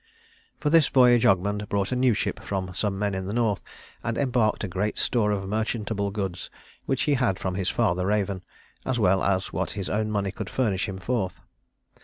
For this voyage Ogmund bought a new ship from some men in the North, and embarked a great store of merchantable goods which he had from his father Raven, as well as what his own money could furnish him forth.